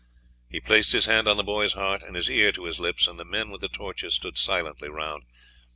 He placed his hand on the boy's heart and his ear to his lips, and the men with the torches stood silently round.